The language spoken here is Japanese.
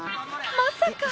まさか